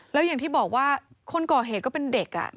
แล้วอย่างที่บอกว่าคนก่อเหตุก็เป็นเด็ก